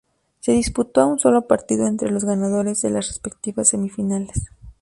Se disputó a un solo partido entre los ganadores de las respectivas semifinales.